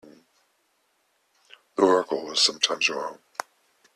The oracle was sometimes wrong.